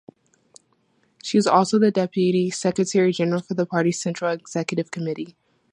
She is also the Deputy Secretary General for the party's Central Executive Committee.